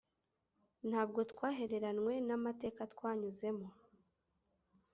Ntabwo twahereranwe n’amateka twanyuzemo